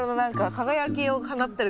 輝きを。